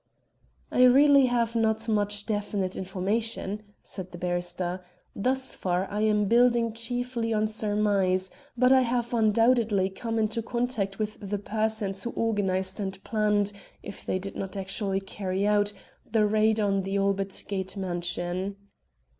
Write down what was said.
"I really have not much definite information," said the barrister. "Thus far I am building chiefly on surmise, but I have undoubtedly come into contact with the persons who organized and planned, if they did not actually carry out, the raid on the Albert Gate mansion."